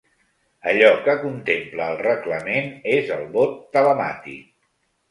Allò que contempla el reglament és el vot telemàtic.